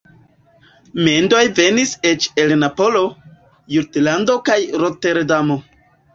Mendoj venis eĉ el Napolo, Jutlando kaj Roterdamo.